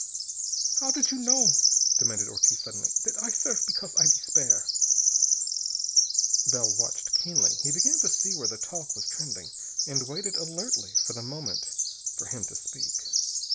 "How did you know," demanded Ortiz suddenly, "that I serve because I despair?" Bell watched keenly. He began to see where the talk was trending, and waited alertly for the moment for him to speak.